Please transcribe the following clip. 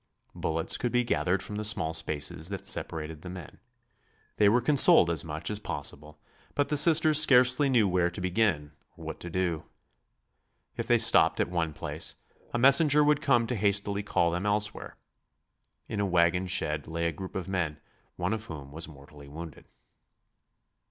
Bullets could be gathered from the small spaces that separated the men. They were consoled as much as possible, but the Sisters scarcely knew where to begin or what to do. If they stopped at one place, a messenger would come to hastily call them elsewhere. In a wagon shed lay a group of men, one of whom was mortally wounded.